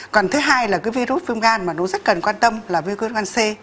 còn thứ hai là cái virus viêm gan mà nó rất cần quan tâm là virus gan c